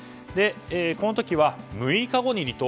この時は６日後に離党。